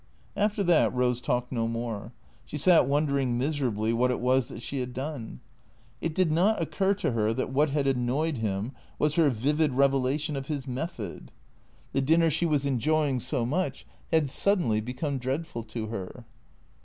After that Eose talked no more. She sat wondering miser ably what it was that she had done. It did not occur to her that what had annoyed him was her vivid revelation of his method. The dinner she was enjoying so much had suddenly become dreadful to her.